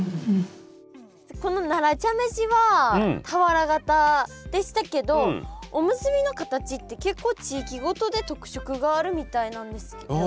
この奈良茶飯は俵型でしたけどおむすびの形って結構地域ごとで特色があるみたいなんですよね。